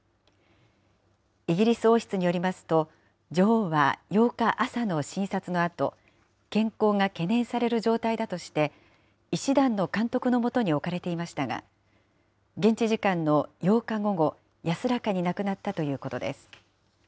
イギリス王室によりますと、女王は８日朝の診察のあと、健康が懸念される状態だとして、医師団の監督の下に置かれていましたが、現地時間の８日午後、安らかに亡くなったということです。